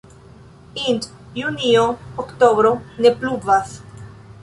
Int junio-oktobro ne pluvas.